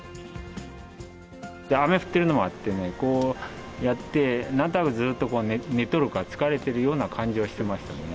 雨降っているのもあってね、こうやって、なんとなくずっと寝とるか、疲れとるような感じはしてましたね。